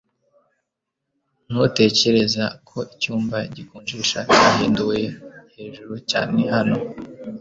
ntutekereza ko icyuma gikonjesha cyahinduwe hejuru cyane hano